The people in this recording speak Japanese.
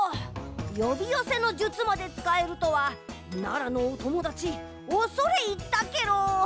よびよせの術までつかえるとは奈良のおともだちおそれいったケロ。